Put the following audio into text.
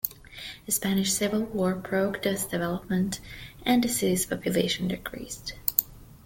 The Spanish Civil War broke this development, and the city's population decreased.